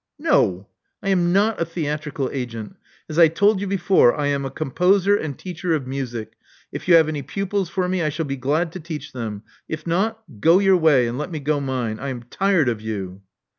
No. I am not a theatrical agent. As I told you before, I am a composer and teacher of music. If you have any pupils for me, I shall be glad to teach them: if not, go your way, and let me go mine. I am tired of you."